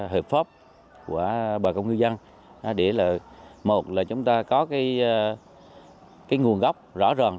hợp phóp của bà công ngư dân để là một là chúng ta có cái nguồn gốc rõ ràng